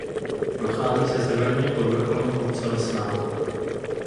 Nachází se severně pod vrcholem kopce Lesná.